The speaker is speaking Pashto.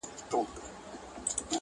هغه دوې افساني لرلي